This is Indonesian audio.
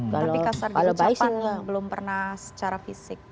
tapi kasar di tempat jepang belum pernah secara fisik